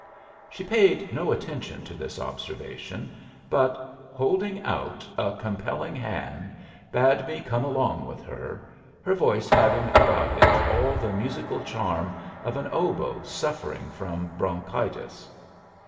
She paid no attention to this observation, but, holding out a compelling hand, bade me come along with her, her voice having about it all the musical charm of an oboe suffering from bronchitis.